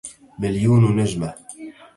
مليون نجمهْ!